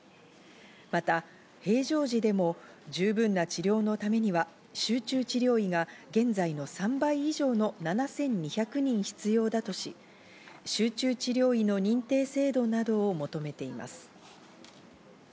また平常時でも十分な治療のためには集中治療医が現在の３倍以上の７２００人必要だとし、集中治療医の認定制度などを求めています。